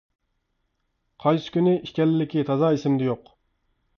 — قايسى كۈنى ئىكەنلىكى تازا ئېسىمدە يوق.